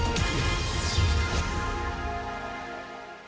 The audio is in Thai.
ได้